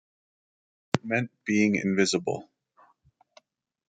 It meant being invisible.